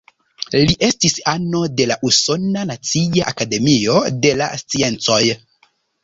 Li estis ano de la Usona nacia Akademio de la Sciencoj.